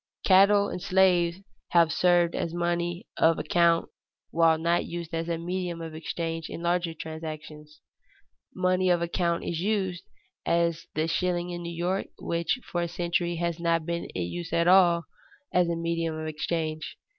Cattle and slaves have served as money of account while not used as a medium of exchange in larger transactions. Money of account is used, as the shilling in New York, which for a century has not been in use at all as a medium of exchange.